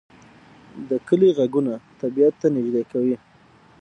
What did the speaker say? د کلی غږونه طبیعت ته نږدې کوي